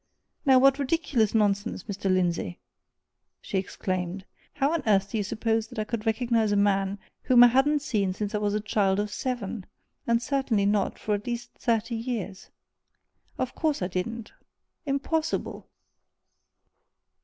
"Now, what ridiculous nonsense, Mr. Lindsey!" she exclaimed. "How on earth do you suppose that I could recognize a man whom I hadn't seen since I was a child of seven and certainly not for at least thirty years? Of course I didn't! impossible!"